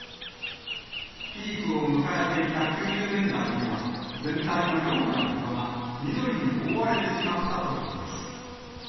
ピークを迎えていた９０年代には、全体の４割ほどが緑に覆われてしまったといいます。